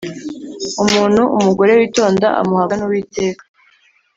umuntu umugore witonda amuhabwa n’uwiteka